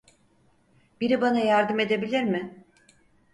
Biri bana yardım edebilir mi?